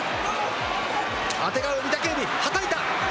あてがう御嶽海、はたいた。